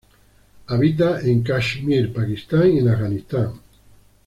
Habita en Kashmir, Pakistán y en Afganistán.